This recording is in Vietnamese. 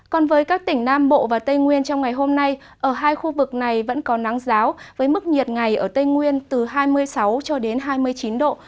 còn với các tỉnh nam bộ và tây nguyên trong ngày hôm nay ở hai khu vực này vẫn có nắng giáo với mức nhiệt ngày ở tây nguyên từ hai mươi sáu cho đến hai mươi chín độ